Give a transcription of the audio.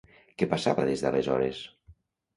Què passava des d'aleshores?